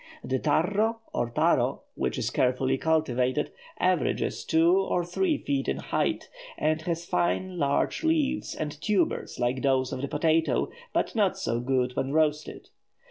The tarro, or taro, which is carefully cultivated, averages two or three feet in height, and has fine large leaves and tubers like those of the potato, but not so good when roasted.